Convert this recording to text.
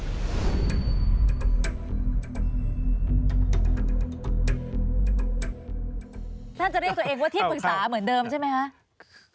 ท่านจะเรียกตัวเองว่าที่ปรึกษาเหมือนเดิมใช่ไหมคะ